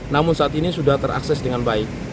namun saat ini sudah terakses dengan baik